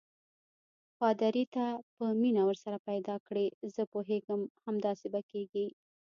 پادري: ته به مینه ورسره پیدا کړې، زه پوهېږم چې همداسې به کېږي.